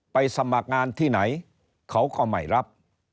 สมัครงานที่ไหนเขาก็ไม่รับ